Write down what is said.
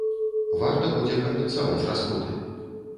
Варта будзе кампенсаваць расходы.